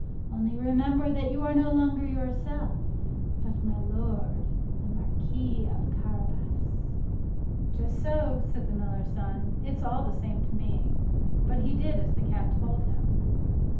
Only remember that you are no longer yourself, but my lord the Marquis of Carabas." "Just so," said the miller's son, "it's all the same to me;" but he did as the cat told him.